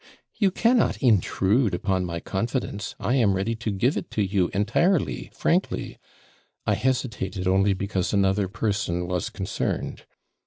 'You cannot intrude upon my confidence; I am ready to give it to you entirely, frankly; I hesitated only because another person was concerned.